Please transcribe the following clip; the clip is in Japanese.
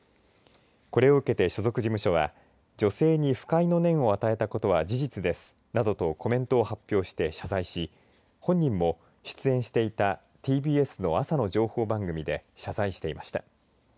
これを受けて所属事務所は女性に不快の念を与えたことは事実です、などとコメントを発表して謝罪し本人も、出演していたＴＢＳの朝の情報番組で謝罪していました。